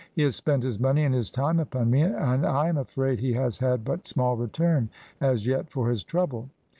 He has spent his money and his time upon me, and I am afraid he has had but small return as yet for his trouble.